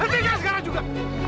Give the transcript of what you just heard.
hentikan sekarang juga